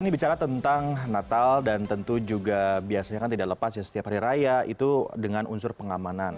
ini bicara tentang natal dan tentu juga biasanya kan tidak lepas ya setiap hari raya itu dengan unsur pengamanan